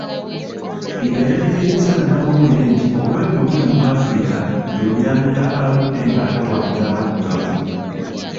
Yiga yategeeza bannamawulire nti obulwadde obuli mu Africa ye Lubyamira aludde ng'atawaanya abaddugavu.